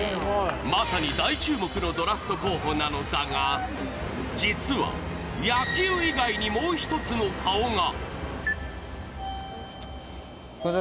まさに大注目のドラフト候補なのだが、実は野球以外に、もう一つの顔が。